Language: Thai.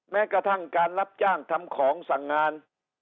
แม้กระทั่งการรับจ้างทำของสั่งงาน